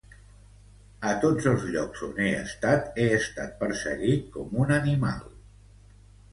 A tots els llocs on he estat, he estat perseguit com un animal.